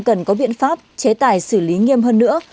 cần có biện pháp chế tài xử lý nghiêm hơn nữa